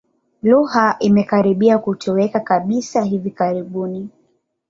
Lugha imekaribia kutoweka kabisa hivi karibuni.